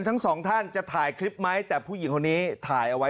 ทั้งสองท่านจะถ่ายคลิปไหมแต่ผู้หญิงคนนี้ถ่ายเอาไว้